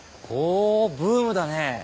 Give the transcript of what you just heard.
ほうブームだね。